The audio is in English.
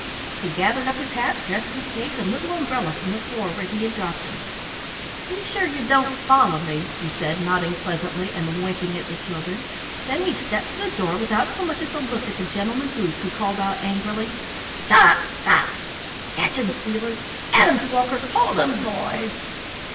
He gathered up his hat, dress suit case, and little umbrella from the floor where he had dropped them. "Be sure you don't follow me," he said, nodding pleasantly and winking at the children. Then he stepped to the door without so much as a look at the Gentleman Goose who called out angrily: "Stop, stop! Catch 'em, Squealer at 'em, Squawker hold 'em, boys!"